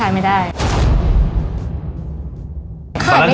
พี่หมวยถึงได้ใจอ่อนมั้งค่ะ